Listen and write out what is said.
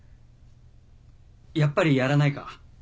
やっぱりやらないか？